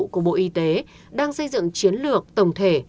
của bộ y tế đang xây dựng chiến lược tổng thể